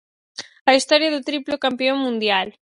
A historia do triplo campión mundial.